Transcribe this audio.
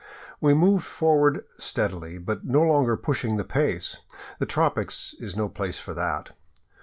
We moved forward steadily, but no longer pushed the pace; the tropics is no place for that.